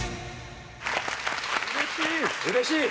うれしい！